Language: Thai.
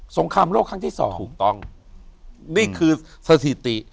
งครามโลกครั้งที่สองถูกต้องนี่คือสถิติ